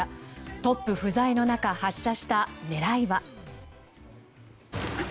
トップ不在の中発射した狙いは。